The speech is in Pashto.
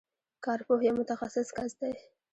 کارپوه یو متخصص کس دی.